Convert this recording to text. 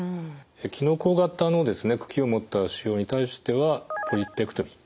きのこ形の茎を持った腫瘍に対してはポリペクトミー。